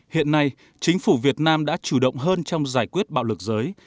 hiện nay chính phủ việt nam đã chủ động hơn trong giải quyết bạo lực giới